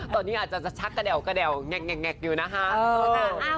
ตอนนี้อาจจะชักกระแดวแงกอยู่นะคะ